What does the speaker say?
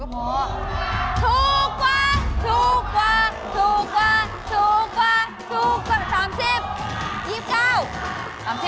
ถูกกว่าถูกกว่าถูกกว่าถูกกว่าถูกกว่า๓๐